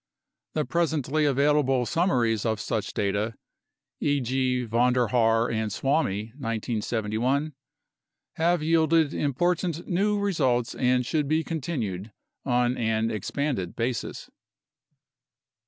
The presently available summaries of such data (e.g., Vonder Haar and Suomi, 1971) have yielded important new results and should be continued on an expanded basis.